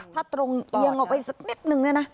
ถ้าตรงเอียงออกไปสักนิดนึงเนี่ยนะ